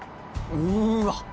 うわっ。